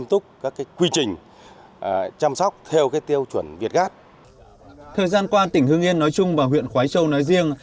thời gian qua tỉnh hưng yên nói chung và huyện khói châu nói riêng